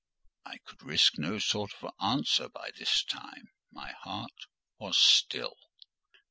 I could risk no sort of answer by this time: my heart was still.